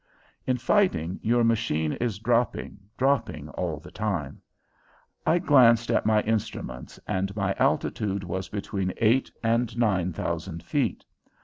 In fighting, your machine is dropping, dropping all the time. I glanced at my instruments and my altitude was between eight and nine thousand feet.